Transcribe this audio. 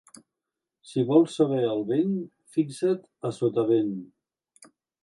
Si vols saber el vent, fixa't a sotavent.